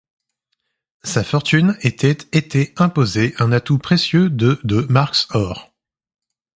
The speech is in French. Sa fortune était été imposé un atout précieux de de marks-or.